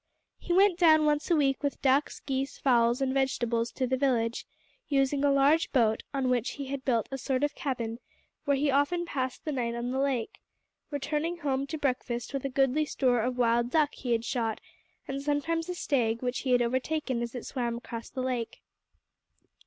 He went down once a week with ducks, geese, fowls, and vegetables to the village, using a large boat, on which he had built a sort of cabin where he often passed the night on the lake, returning home to breakfast with a goodly store of wild duck he had shot, and sometimes a stag which he had overtaken as it swam across the lake.